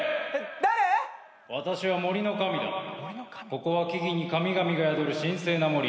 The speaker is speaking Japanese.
ここは木々に神々が宿る神聖な森。